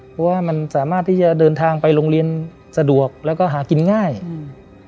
เพราะว่ามันสามารถที่จะเดินทางไปโรงเรียนสะดวกแล้วก็หากินง่ายอืม